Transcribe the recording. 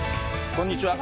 こんにちは。